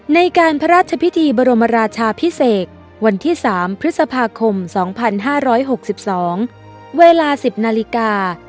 ในการพระราชพิธีบรมราชาพิเศษวันที่สามพฤษภาคมสองพันห้าร้อยหกสิบสองเวลาสิบนาฬิกา